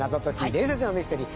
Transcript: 伝説のミステリー』